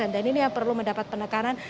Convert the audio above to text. dan ini yang perlu mendapat penekanan